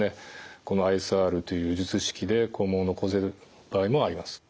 このＩＳＲという術式で肛門を残せる場合もあります。